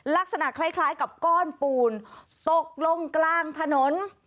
ลักษณะคล้ายกับก้อนปูนตกลงกลางถนน